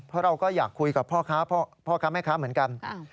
เพราะเราก็อยากคุยกับพ่อค้าแม่ค้าเหมือนกัน